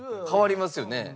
変わりますよね。